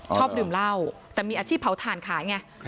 ชอบดื่มเหล้าแต่มีอาชีพเผาถ่านขายไง